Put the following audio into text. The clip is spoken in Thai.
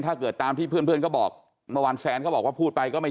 ถ้าเกิดตามที่เพื่อนก็บอกวันแซนก็บอกว่าพูดไปก็ไม่